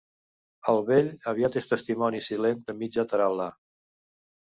El vell aviat és testimoni silent de mitja taral·la.